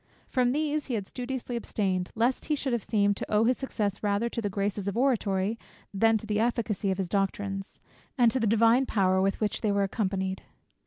From these he had studiously abstained, lest he should have seemed to owe his success rather to the graces of oratory, than to the efficacy of his doctrines, and to the divine power with which they were accompanied.